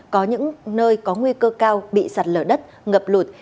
có những nơi có nguy cơ cao bị sạt lở đất ngập lụt